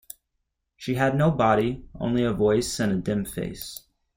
She had no body, only a voice and a dim face.